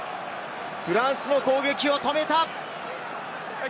フランスの攻撃を止めた！